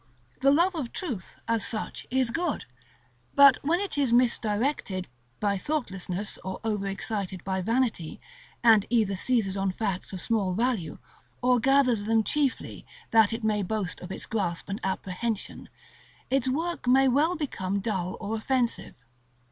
The love of truth, as such, is good, but when it is misdirected by thoughtlessness or over excited by vanity, and either seizes on facts of small value, or gathers them chiefly that it may boast of its grasp and apprehension, its work may well become dull or offensive.